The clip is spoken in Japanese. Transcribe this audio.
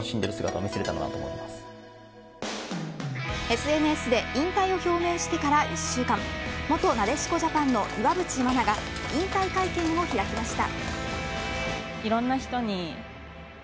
ＳＮＳで引退を表明してから１週間元なでしこジャパンの岩渕真奈が引退会見を開きました。